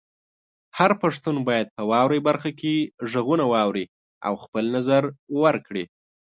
هر پښتون باید په "واورئ" برخه کې غږونه واوري او خپل نظر ورکړي.